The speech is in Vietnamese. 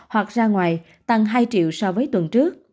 hoặc ra ngoài tăng hai triệu so với tuần trước